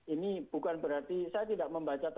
ini bukan berarti saya tidak membahas hal ini